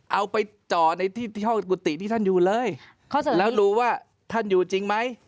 เอาไปจ่อในที่ห้องกุฏิที่ท่านอยู่เลยแล้วรู้ว่าท่านอยู่จริงไหม